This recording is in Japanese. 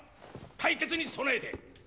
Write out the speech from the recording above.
対決に備えて！